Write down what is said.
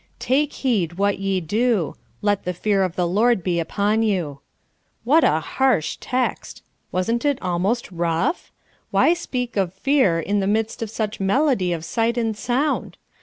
"Take heed what ye do; let the fear of the Lord be upon you." What a harsh text! Wasn't it almost rough? Why speak of fear in the midst of such melody of sight and sound?